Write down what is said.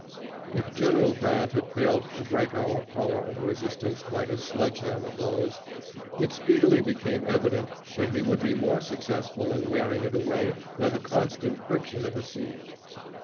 If General Grant had failed to break our power of resistance by his sledge hammer blows, it speedily became evident that he would be more successful in wearing it away by the constant friction of a siege.